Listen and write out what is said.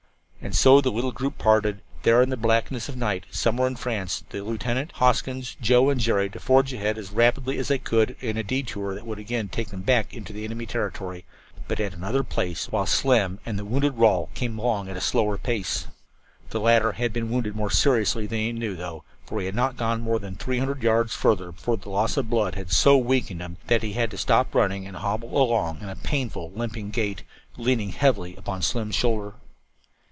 And so the little group parted, there in the blackness of night "somewhere in France," the lieutenant, Hoskins, Joe and Jerry to forge ahead as rapidly as they could in a detour that would again take them back into the enemy territory, but in another place, while Slim and the wounded Rawle came along at a slower pace. The latter had been wounded more seriously than he knew, though, and he had not gone more than three hundred yards further before the loss of blood had so weakened him that he had to stop running and hobble along in a painful, limping gait, leaning heavily upon Slim's shoulder.